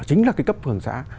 chính là cái cấp phường xã